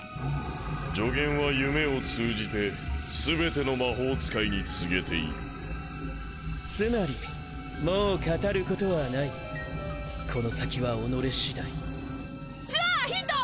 助言は夢を通じてすべての魔法使いに告げているつまりもう語ることはないこの先はおのれ次第じゃあヒント！